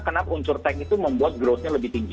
kenapa unsur tech itu membuat growthnya lebih tinggi